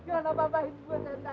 kenapa pahit gue setan